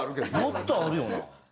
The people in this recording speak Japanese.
もっとあるよな。